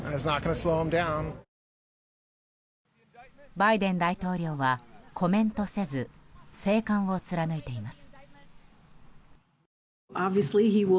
バイデン大統領はコメントせず静観を貫いています。